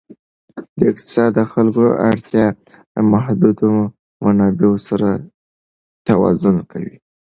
اقتصاد د خلکو اړتیاوې د محدودو منابعو سره توازن کوي.